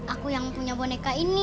aku yang punya boneka ini